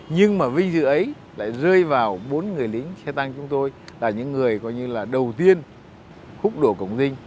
nhưng mà vinh dự ấy lại rơi vào bốn người lính xe tăng chúng tôi là những người gọi như là đầu tiên hút đổ cổng dinh